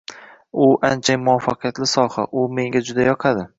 bu anchayin muvaffaqiyatli soha, u menga juda yoqadi